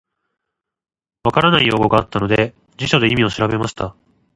分からない用語があったので、辞書で意味を調べました。